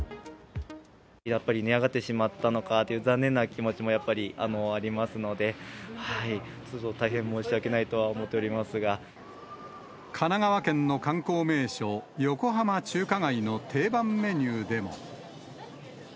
やっぱり値上がってしまったのかっていう残念な気持ちもやっぱりありますので、大変申し訳な神奈川県の観光名所、横浜中華街の定番メニューでも。